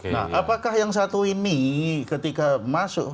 nah apakah yang satu ini ketika masuk